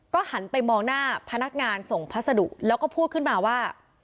หันไปมองหน้าพนักงานส่งพัสดุแล้วก็พูดขึ้นมาว่า